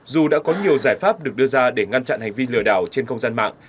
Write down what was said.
dù đã có nhiều giải pháp được đưa ra để ngăn chặn hành vi lừa đảo trên không gian mạng